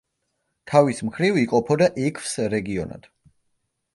თავის მხრივ იყოფოდა ექვს რეგიონად.